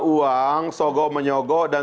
uang sogo menyogo dan